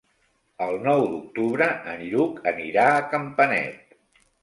El nou d'octubre en Lluc anirà a Campanet.